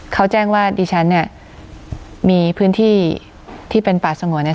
เขาแจ้งว่าดิฉันเนี่ยมีพื้นที่ที่เป็นป่าสงวนเนี่ย